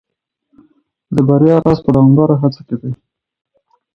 د بریا راز په دوامداره هڅه کي دی.